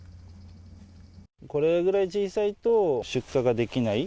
これぐらい小さいと、出荷ができない。